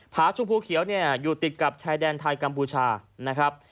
าชมพูเขียวเนี่ยอยู่ติดกับชายแดนไทยกัมพูชานะครับ